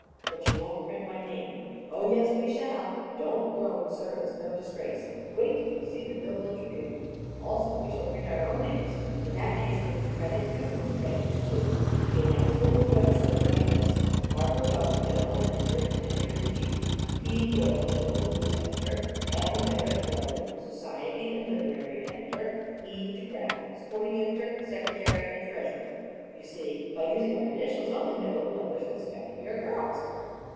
"But you won't print my name?" "Oh, yes we shall. Don't groan, sir; it's no disgrace. Wait till you see the Millville Tribune. Also we shall print our own names, in that case giving credit to whom credit is due. The announcement will run something like this: 'Arthur Weldon, General Manager and Editor in Chief; P. Doyle, General News Editor; L. Merrick Weldon, Society and Literary Editor; E. DeGraf, Sporting Editor, Secretary and Treasurer.' You see, by using our initials only, no one will ever suspect we are girls."